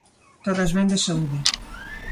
Todas ben de saúde.